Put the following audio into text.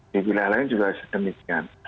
di wilayah lain juga sedemikian